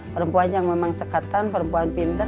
perempuan yang memang cekatan perempuan pintar